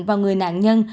vào người nạn nhân